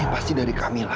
hanya pas terdiri dari meila